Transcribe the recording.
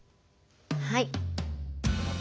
はい。